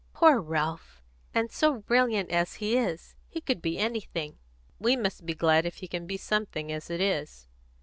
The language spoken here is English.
"Poor Ralph! And so brilliant as he is! He could be anything." "We must be glad if he can be something, as it is."